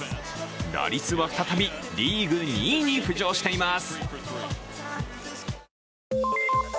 打率は再びリーグ２位に浮上しています。